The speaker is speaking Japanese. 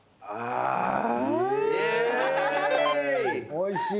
おいしい。